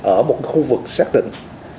ở một khu vực xác định